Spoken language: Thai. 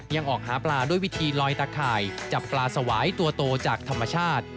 ยังออกหาปลาด้วยวิธีลอยตะข่ายจับปลาสวายตัวโตจากธรรมชาติ